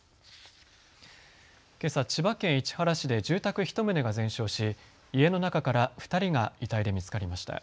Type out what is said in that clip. けさ千葉県市原市で住宅１棟が全焼し、家の中から２人が遺体で見つかりました。